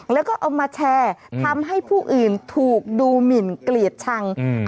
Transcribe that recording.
แล้วก็เอามาแชร์ทำให้ผู้อื่นถูกดูหมินเกลียดชัง